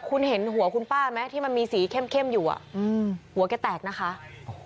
คุณเห็นหัวคุณป้าไหมที่มันมีสีเข้มอยู่อ่ะอืมหัวแกแตกนะคะ